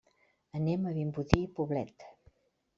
Anem a Vimbodí i Poblet.